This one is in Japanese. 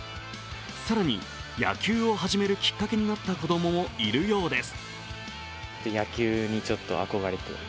更に、野球を始めるきっかけになった子供もいるようです。